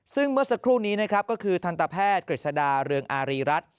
ซึ่งเมื่อสักครู่นี้นะครับก็คือทันตแพทย์กฤษดาเรืองอารีรัฐ